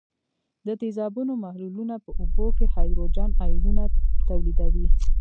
د تیزابونو محلولونه په اوبو کې هایدروجن آیونونه تولیدوي.